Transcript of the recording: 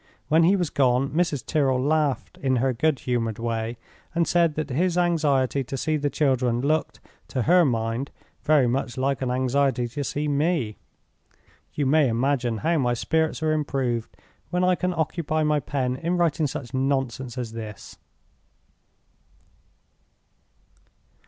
When he was gone, Mrs. Tyrrel laughed in her good humored way, and said that his anxiety to see the children looked, to her mind, very much like an anxiety to see me. You may imagine how my spirits are improved when I can occupy my pen in writing such nonsense as this!"